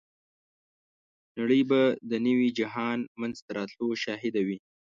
نړۍ به د نوي جهان منځته راتلو شاهده وي.